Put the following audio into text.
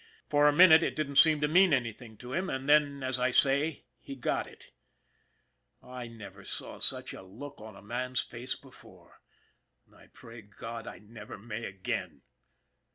For a minute it didn't seem to mean anything to him, and then, as I say, he got it. I never saw such a look on a man's face before, and I pray God I never may again.